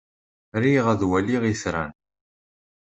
Riɣ ad waliɣ itran.